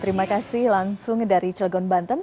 terima kasih langsung dari cilegon banten